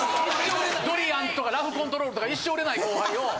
どりあんずとかラフ・コントロールとか一生売れない後輩を。